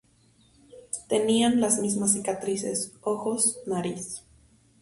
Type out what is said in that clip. Tenían las mismas cicatrices, ojos, nariz.